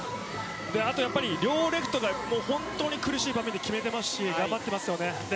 あとやっぱり両レフトが本当に苦しい場面で決めていますし、頑張ってます。